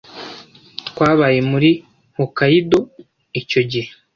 Twabaye muri Hokkaido icyo gihe.